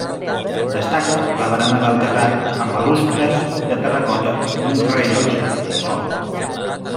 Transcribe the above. Destaca la barana del terrat amb balustres de terracota i un rellotge de sol.